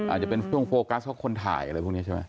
อาจจะเป็นช่วงโฟกัสของคนถ่ายอะไรพวกนี้ใช่ไหม